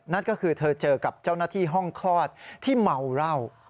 นั่นก็คือเธอเจอกับเจ้าหน้าที่ห้องคลอดที่เมาเหล้า